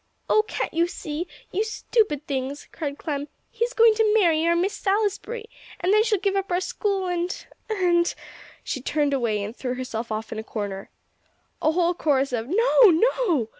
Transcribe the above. "Oh, can't you see? You stupid things!" cried Clem. "He's going to marry our Miss Salisbury, and then she'll give up our school; and and " She turned away, and threw herself off in a corner. A whole chorus of "No no!"